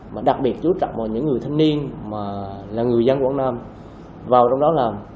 mà đặc biệt chú trọng vào những người thanh niên mà là người dân quảng nam vào trong đó làm